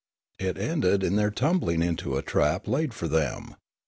It ended in their tumbling into the trap laid for them.